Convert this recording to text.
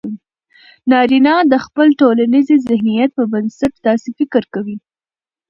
نارينه د خپل ټولنيز ذهنيت پر بنسټ داسې فکر کوي